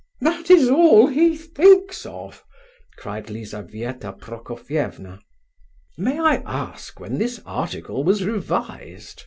"That is all he thinks of!" cried Lizabetha Prokofievna. "May I ask when this article was revised?"